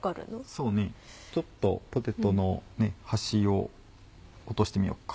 そうねちょっとポテトの端を落としてみようか。